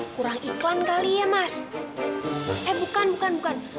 aku akan coba semuanya